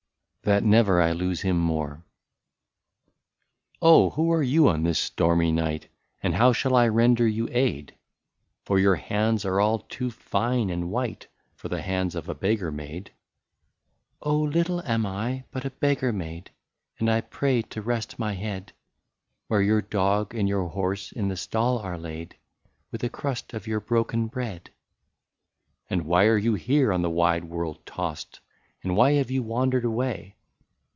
63 THAT NEVER I LOSE HIM MORE. " Oh ! who are you on this stormy night, And how shall I render you aid, For your hands ar^ all too fine and white For the hands of a beggar maid ?''^^ Oh ! little am I but a beggar maid, And I pray to rest my head, Where your horse and your dog in the stall are laid. With a crust of your broken bread.'* " And why are you here on the wide world tost, And why have you wandered away